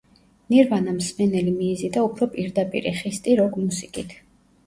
ნირვანამ მსმენელი მიიზიდა უფრო პირდაპირი, ხისტი როკ მუსიკით.